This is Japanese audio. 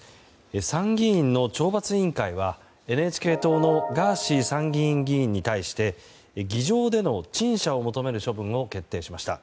参議院の懲罰委員会はＮＨＫ党のガーシー参議院議員に対して議場での陳謝を求める処分を決定しました。